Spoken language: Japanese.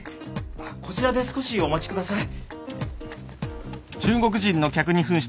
あっこちらで少しお待ちください。